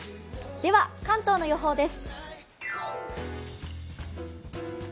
では、関東の予報です。